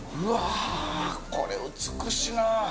これ美しいな。